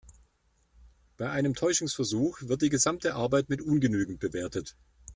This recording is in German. Bei einem Täuschungsversuch wird die gesamte Arbeit mit ungenügend bewertet.